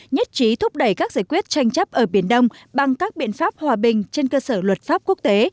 nhất trí thúc đẩy các giải quyết tranh chấp ở biển đông bằng các biện pháp hòa bình trên cơ sở luật pháp quốc tế